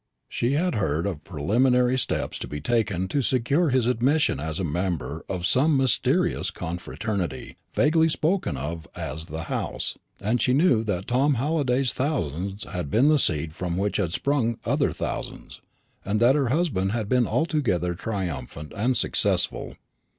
She had heard of preliminary steps to be taken to secure his admission as a member of some mysterious confraternity vaguely spoken of as "the House;" and she knew that Tom Halliday's thousands had been the seed from which had sprung other thousands, and that her husband had been altogether triumphant and successful.